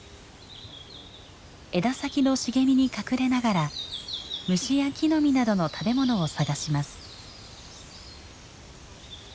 枝先の茂みに隠れながら虫や木の実などの食べ物を探します。